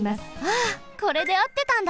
あこれであってたんだ！